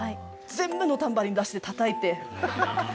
全部のタンバリン出してたたいて。